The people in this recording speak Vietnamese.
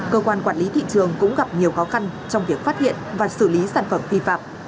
cơ quan quản lý thị trường cũng gặp nhiều khó khăn trong việc phát hiện và xử lý sản phẩm vi phạm